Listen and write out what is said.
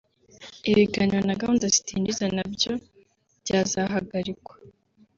ibiganiro na gahunda zitinjiza nabyo byazahagarikwa